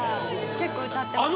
結構歌ってます